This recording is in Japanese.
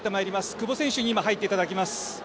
久保選手入っていただきます。